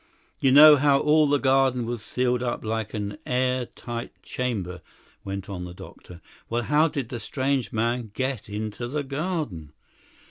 "You know how all the garden was sealed up like an air tight chamber," went on the doctor. "Well, how did the strange man get into the garden?"